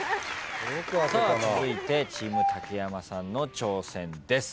続いてチーム竹山さんの挑戦です。